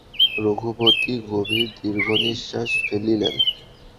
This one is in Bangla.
রঘুপতি গভীর দীর্ঘনিশ্বাস ফেলিলেন।